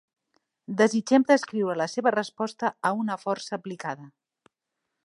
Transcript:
Desitgem descriure la seva resposta a una força aplicada.